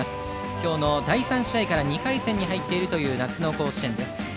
今日の第３試合から２回戦に入っている夏の甲子園です。